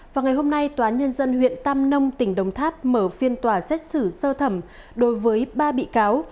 vào ngày hôm nay tòa án nhân dân huyện tam nông tỉnh đồng tháp mở phiên tòa xét xử sơ thẩm đối với ba bị cáo